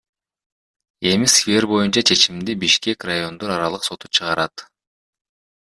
Эми сквер боюнча чечимди Бишкек райондор аралык соту чыгарат.